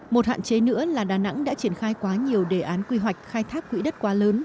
một hạn chế nữa là đà nẵng đã triển khai quá nhiều đề án quy hoạch khai thác quỹ đất quá lớn